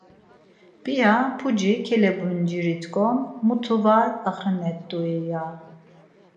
P̌ia puci kelebunciritǩon mutu var axenat̆ui? ya.